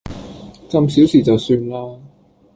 咁小事就算啦